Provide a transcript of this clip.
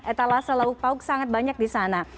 etalase lauk pauk sangat banyak di sana